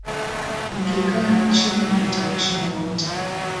Nikikaa chini nitawashinda wote.